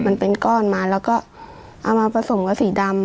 มันเป็นก้อนมาแล้วก็เอามาผสมกับสีดำ